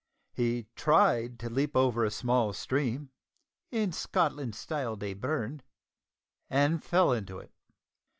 He tried to leap over a small stream, (in Scotland styled a burn), and fell into it.